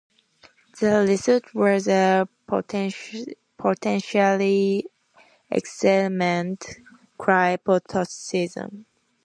The result was a potentially excellent cryptosystem.